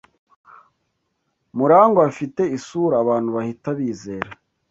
Murangwa afite isura abantu bahita bizera.